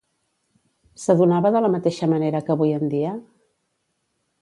S'adonava de la mateixa manera que avui en dia?